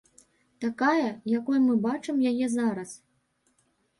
Такая, якой мы бачым яе зараз.